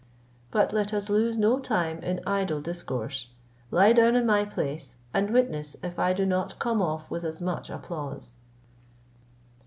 But let us lose no time in idle discourse; lie down in my place, and witness if I do not come off with as much applause."